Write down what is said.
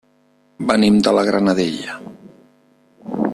Venim de la Granadella.